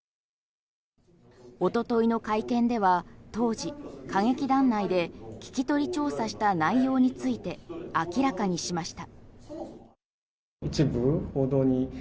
おとといの会見では当時、歌劇団内で聞き取り調査した内容について明らかにしました。